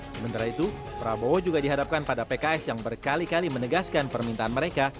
sementara itu prabowo juga dihadapkan pada pks yang berkali kali menegaskan permintaan mereka